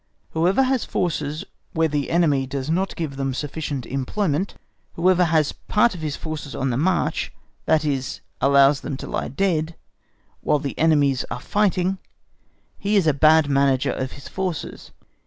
Whoever has forces where the enemy does not give them sufficient employment, whoever has part of his forces on the march—that is, allows them to lie dead—while the enemy's are fighting, he is a bad manager of his forces.